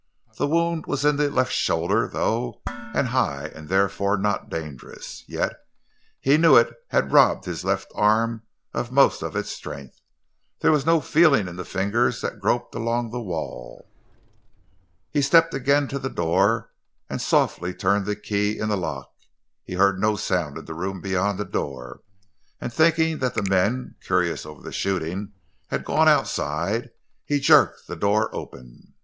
The wound was in the left shoulder, though, and high, and therefore not dangerous, yet he knew it had robbed his left arm of most of its strength—there was no feeling in the fingers that groped along the wall. He stepped again to the door and softly turned the key in the lock. He heard no sound in the room beyond the door, and, thinking that the men, curious over the shooting, had gone outside, he jerked the door open.